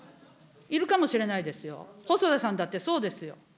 いるかもしれないですよ、ほそださんだってそうですよ。